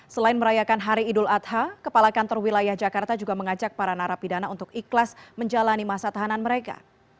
selain merayakan hari idul adha kepala kantor wilayah jakarta juga mengajak para narapidana untuk ikhlas menjalani masa tahanan mereka